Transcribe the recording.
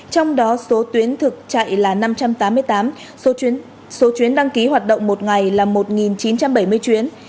trong đó số tuyến thực chạy là năm trăm tám mươi tám số chuyến đăng ký hoạt động một ngày là một chín trăm bảy mươi chuyến